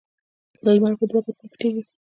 لمر په دو ګوتو نه پټېږي